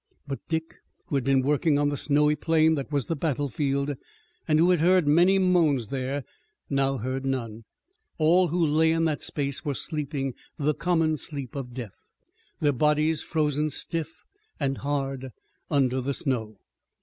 But Dick, who had been working on the snowy plain that was the battlefield, and who had heard many moans there, now heard none. All who lay in that space were sleeping the common sleep of death, their bodies frozen stiff and hard under the snow.